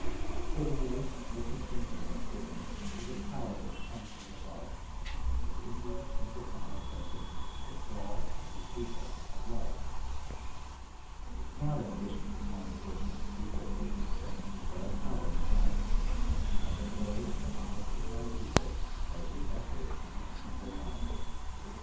For the voice that to sing me has bidden Is a power that comes from above. And in these simple sonnets are hidden The gall and the sweetness of love. Not ambition to climb Fortune's steeple Made me sing, but a power divine; And the woes, and the hopes of my People! Are re echoed in each simple line.